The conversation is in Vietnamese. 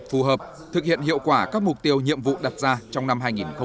phù hợp thực hiện hiệu quả các mục tiêu nhiệm vụ đặt ra trong năm hai nghìn hai mươi